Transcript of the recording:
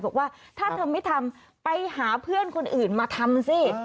บอกว่าถ้าเธอไม่ทำไปหาเพื่อนคนอื่นมาทำสิ